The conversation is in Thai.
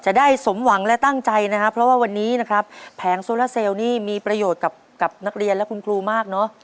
จะได้สมหวังและตั้งใจนะครับเพราะว่าวันนี้นะครับแผงโซลาเซลนี่มีประโยชน์กับนักเรียนและคุณครูมากเนอะ